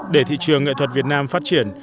để thị trường nghệ thuật việt nam phát triển